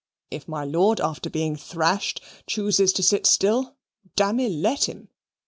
If my lord, after being thrashed, chooses to sit still, dammy let him.